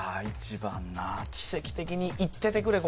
１番な奇跡的に行っててくれ